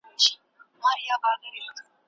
بهرنی سیاست د هیواد په اقتصادي غوړیدو کي رول لري.